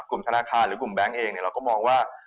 ธนาคารหรือกลุ่มแบงค์เองเราก็มองว่า